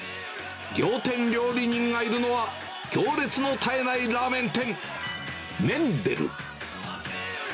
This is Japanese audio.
仰天料理人がいるのは、行列の絶えないラーメン店、麺でる。